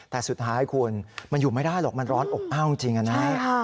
แต่สุดท้ายคุณมันอยู่ไม่ได้หรอกมันร้อนอบอ้าวจริงนะครับ